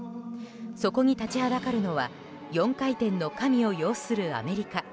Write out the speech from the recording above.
そこに立ちはだかるのは４回転の神を擁するアメリカ。